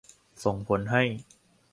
ส่งผลให้